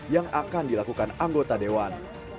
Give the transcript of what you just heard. yang akan dilakukan anggota dewan